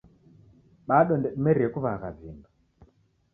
Bado ndedimerie kuwagha vindo